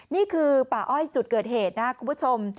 นี่คือป่าอ้อยจุดเกิดเหตุนะครับคุณผู้ชม